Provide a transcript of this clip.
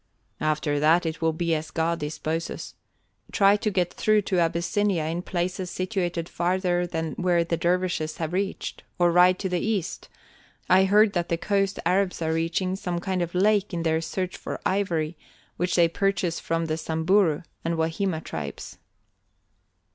"After that it will be as God disposes. Try to get through to Abyssinia in places situated farther than where the dervishes have reached, or ride to the east I heard that the coast Arabs are reaching some kind of lake in their search for ivory which they purchase from the Samburu and Wahima tribes."